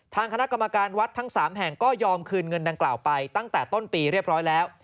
ทางคณะกรรมการวัดทั้ง๓แห่งก็ยอมคืนเงินดังกล่าวไปตั้งแต่ต้นปีเรียบร้อยแล้ว